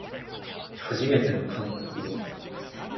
はじめての韓国語